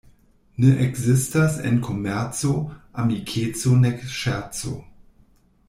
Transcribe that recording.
Ne ekzistas en komerco amikeco nek ŝerco.